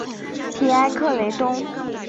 皮埃克雷东。